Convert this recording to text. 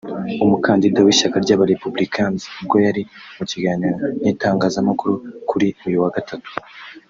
umukandida w’ishyaka ry’aba Républicains ubwo yari mu kiganiro n’itangazamakuru kuri uyu wa gatatu